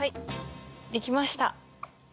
できました！